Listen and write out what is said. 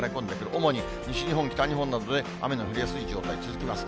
主に西日本、北日本などで雨の降りやすい状態続きます。